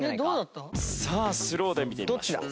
さあスローで見ていきましょう。